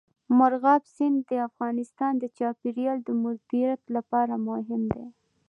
مورغاب سیند د افغانستان د چاپیریال د مدیریت لپاره مهم دي.